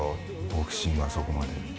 ボクシングはそこまで。